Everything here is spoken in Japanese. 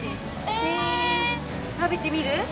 食べてみる？